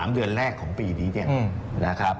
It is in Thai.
๓เดือนแรกของปีนี้เนี่ยนะครับ